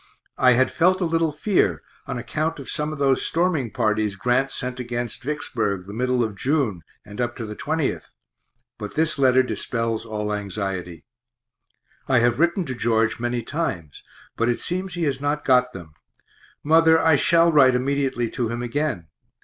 I had felt a little fear on acc't of some of those storming parties Grant sent against Vicksburg the middle of June and up to the 20th but this letter dispels all anxiety. I have written to George many times, but it seems he has not got them. Mother, I shall write immediately to him again.